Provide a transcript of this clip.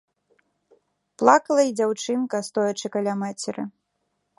Плакала і дзяўчынка, стоячы каля мацеры.